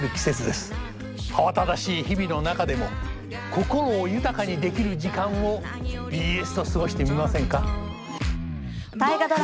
慌ただしい日々の中でも心を豊かにできる時間をＢＳと過ごしてみませんか。